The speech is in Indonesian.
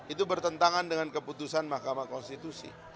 itu bertentangan dengan keputusan mahkamah konstitusi